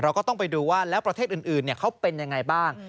ก็ต้องไปดูว่าแล้วประเทศอื่นเขาเป็นยังไงบ้าง